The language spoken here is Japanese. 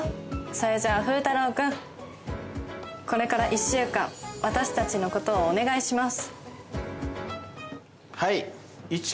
それじゃフータロー君これから一週間私たちのことをお願いします